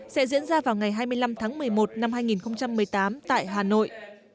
sẽ diễn ra vào ngày hai mươi năm tháng một mươi một năm hai nghìn một mươi tám tại hà nội